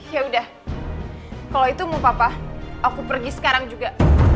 ya udah kalau itu mau papa aku pergi sekarang juga